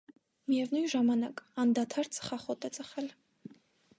Միևնույն ժամանակ, անդադար ծխախոտ է ծխել։